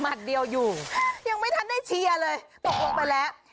เดียวอยู่ยังไม่ทันได้เชียร์เลยตกลงไปแล้ว